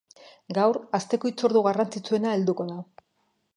Gaur, asteko hitzordu garrantzitsuena helduko da.